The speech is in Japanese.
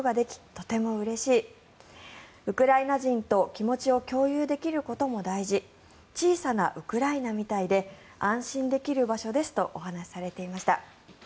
とてもうれしいウクライナ人と気持ちを共有できることも大事小さなウクライナみたいで安心できる場所ですとお話しされていました。